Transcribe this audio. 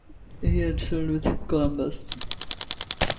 He had sailed with Columbus.